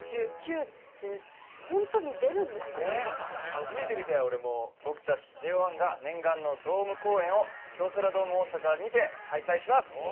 初めて見たよ俺も。僕たちＪＯ１が念願のドーム公演を京セラドーム大阪にて開催します！